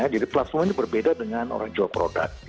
jadi platform ini berbeda dengan orang jual produk